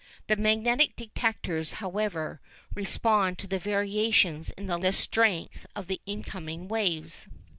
The magnetic detectors, however, respond to the variations in the strength of the incoming waves.